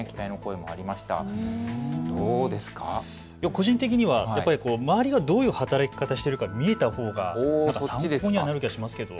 個人的には周りがどういう働き方をしているか見えたほうが参考にはなる気がしますけど。